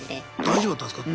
大丈夫だったんすか？